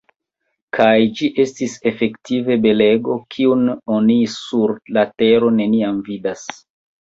Kaj ĝi estis efektive belego, kiun oni sur la tero neniam vidas.